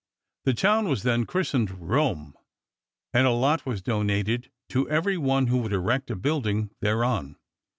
The town was then christened Rome, and a lot was donated to every one who would erect a building thereon.